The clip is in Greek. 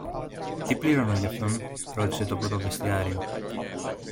Τι πληρώνω γι' αυτόν; ρώτησε τον πρωτοβεστιάριο.